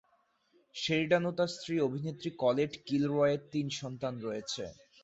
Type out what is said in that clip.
Sheridan ও তার স্ত্রী অভিনেত্রী কলেট কিলরয়ের তিন সন্তান রয়েছে।